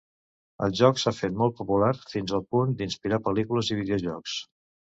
El joc s'ha fet molt popular, fins al punt d'inspirar pel·lícules i videojocs.